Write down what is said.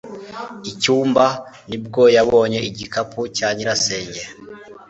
icyumba. nibwo yabonye igikapu cya nyirasenge